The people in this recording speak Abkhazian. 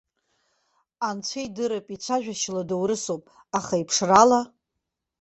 Анцәа идырп, ицәажәашьала доурысуп, аха иԥшрала?